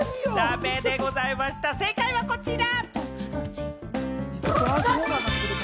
正解はこちら！